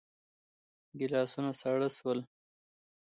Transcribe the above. ګيلاسونه ساړه شول.